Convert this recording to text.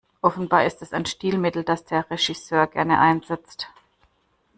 Offenbar ist es ein Stilmittel, das der Regisseur gerne einsetzt.